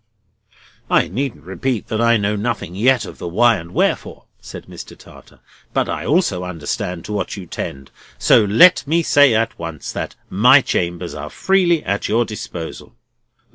"I needn't repeat that I know nothing yet of the why and wherefore," said Mr. Tartar; "but I also understand to what you tend, so let me say at once that my chambers are freely at your disposal."